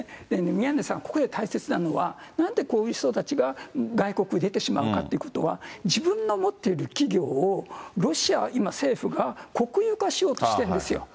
宮根さん、ここで大切なのは、なんでこういう人たちが、外国へ出てしまうかってことは、自分の持っている企業をロシアは今、政府が国有化しようとしてるんですよ。